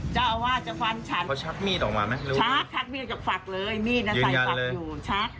เจ้าอาวาสจะฟันฉัด